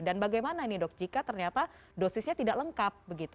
dan bagaimana ini dok jika ternyata dosisnya tidak lengkap begitu